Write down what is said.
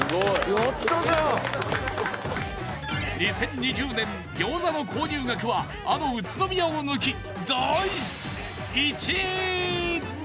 ２０２０年ギョーザの購入額はあの宇都宮を抜き第１位！